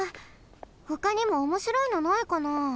ほかにもおもしろいのないかな？